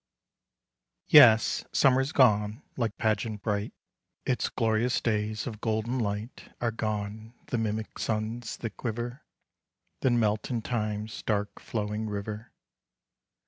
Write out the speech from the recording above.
Yes, Summer's gone like pageant bright; Its glorious days of golden light Are gone the mimic suns that quiver, Then melt in Time's dark flowing river.